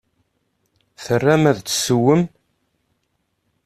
Tram ad tessewwem?